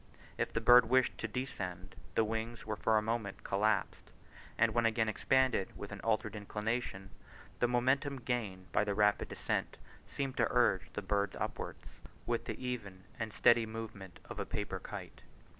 If the bird wished to descend, the wings were for a moment collapsed; and when again expanded with an altered inclination, the momentum gained by the rapid descent seemed to urge the bird upwards with the even and steady movement of a paper kite.